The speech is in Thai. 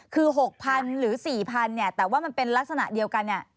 คือ๖๐๐๐หรือ๔๐๐๐แต่ว่ามันเป็นลักษณะเดียวกัน